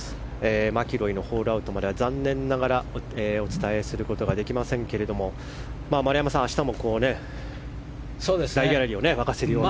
マキロイのホールアウトまでは、残念ながらお伝えすることはできませんが丸山さん、明日もギャラリーを沸かせるような。